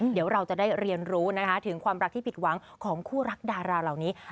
เดี๋ยวเราจะได้เรียนรู้นะคะถึงความรักที่ผิดหวังของคู่รักดาราเหล่านี้